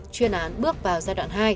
chuyên án bước vào giai đoạn hai